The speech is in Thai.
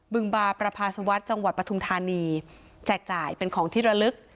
ึงบาประพาสวัสดิ์จังหวัดปทุมธานีแจกจ่ายเป็นของที่ระลึก